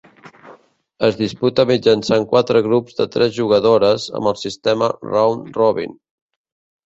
Es disputa mitjançant quatre grups de tres jugadores amb el sistema Round Robin.